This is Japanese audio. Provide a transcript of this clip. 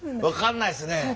分かんないっすね。